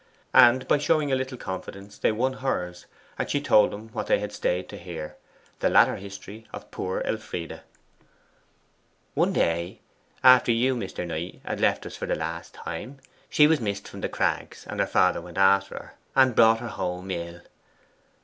And by showing a little confidence they won hers, and she told them what they had stayed to hear the latter history of poor Elfride. 'One day after you, Mr. Knight, left us for the last time she was missed from the Crags, and her father went after her, and brought her home ill.